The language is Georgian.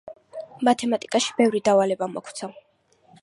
მათემატიკაში ბევრი დავალება მოქვცა